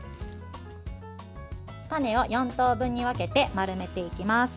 タネを４等分に分けて丸めていきます。